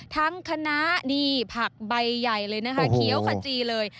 ทั้งคณะนี่ผักใบใหญ่เลยนะคะเขียวขจีเลย